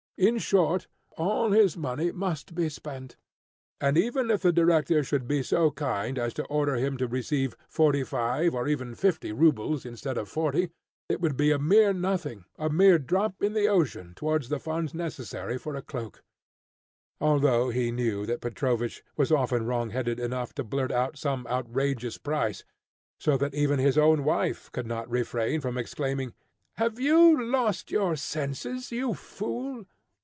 In short, all his money must be spent. And even if the director should be so kind as to order him to receive forty five or even fifty rubles instead of forty, it would be a mere nothing, a mere drop in the ocean towards the funds necessary for a cloak, although he knew that Petrovich was often wrong headed enough to blurt out some outrageous price, so that even his own wife could not refrain from exclaiming, "Have you lost your senses, you fool?"